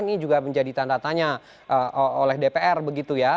ini juga menjadi tanda tanya oleh dpr begitu ya